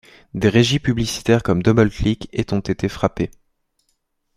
Des régies publicitaires comme DoubleClick et ont été frappées.